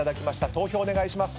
投票お願いします。